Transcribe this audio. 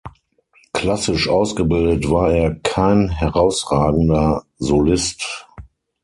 Klassisch ausgebildet war er kein herausragender Solist.